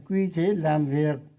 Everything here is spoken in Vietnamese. quy chế làm việc